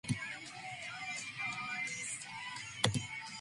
Volunteer replacements were still being organized and due to report the next morning.